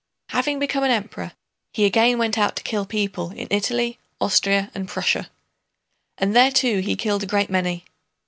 Having become an Emperor he again went out to kill people in Italy, Austria, and Prussia. And there too he killed a great many.